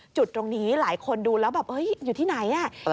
จุดตรงนี้หลายคนดูแล้วแบบอยู่ที่ไหน